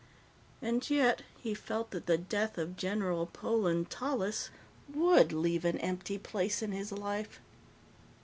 And yet, he felt that the death of General Polan Tallis would leave an empty place in his life.